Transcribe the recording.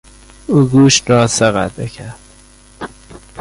او گوشت را سه قطعه کرد.